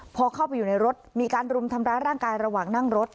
พอเข้าไปอยู่ในรถมีการรุมทำร้ายร่างกายระหว่างนั่งรถ